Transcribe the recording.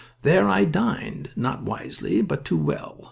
There I dined, not wisely, but too well.